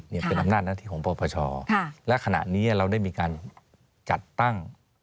นี่เป็นอำนาจหน้าที่ของปปชและขณะนี้เราได้มีการจัดตั้ง